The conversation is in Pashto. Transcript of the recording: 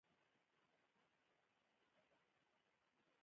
په هومره ډېر مقتوله، ته لا هم نه يې ملوله